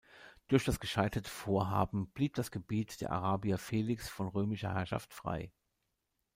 Durch das gescheiterte Vorhaben blieb das Gebiet der "Arabia Felix" von römischer Herrschaft frei.